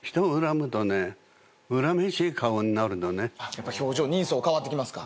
やっぱ表情人相変わってきますか。